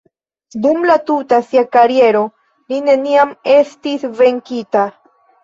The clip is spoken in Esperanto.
Dum la tuta sia kariero li neniam estis venkita.